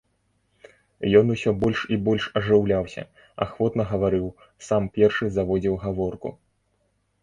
Ён усё больш і больш ажыўляўся, ахвотна гаварыў, сам першы заводзіў гаворку.